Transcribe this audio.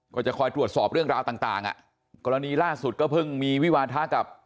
ก็จะคอยตรวจสอบเรื่องราวต่างต่างอ่ะกรณีล่าสุดก็เพิ่งมีวิวาทะกับ